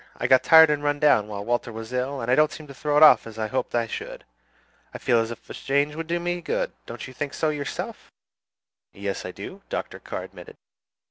"I got tired and run down while Walter was ill, and I don't seem to throw it off as I hoped I should. I feel as if a change would do me good. Don't you think so yourself?" "Yes, I do," Dr. Carr admitted.